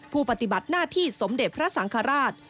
ปฏิบัติหน้าที่สมเด็จพระสังฆราช